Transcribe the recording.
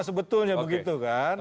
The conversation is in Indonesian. sebetulnya begitu kan